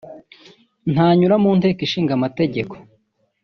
ntanyura mu Nteko Ishinga Amategeko